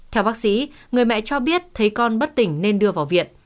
theo bác sĩ người mẹ cho biết thấy con bất tỉnh nên đưa vào viện